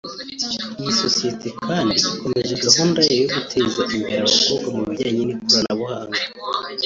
Iyi sosiyete kandi ikomeje gahunda yayo yo guteza imbere abakobwa mu bijyanye n’ikoranabuhanga